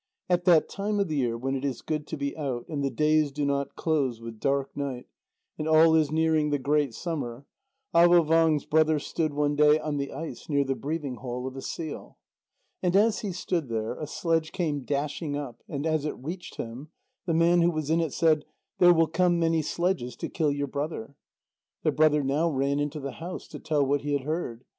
At that time of the year when it is good to be out, and the days do not close with dark night, and all is nearing the great summer, Avôvang's brother stood one day on the ice near the breathing hole of a seal. And as he stood there, a sledge came dashing up, and as it reached him, the man who was in it said: "There will come many sledges to kill your brother." The brother now ran into the house to tell what he had heard.